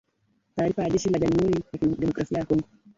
Taarifa ya jeshi la Jamhuri ya kidemokrasia ya Kongo.